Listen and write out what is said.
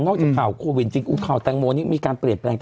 นอกจากข่าวโควินจริง